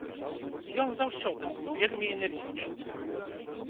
Ён заўсёды быў вельмі энергічны.